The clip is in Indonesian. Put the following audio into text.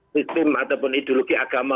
sistem ataupun ideologi agama